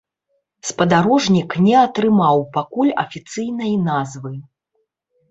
Спадарожнік не атрымаў пакуль афіцыйнай назвы.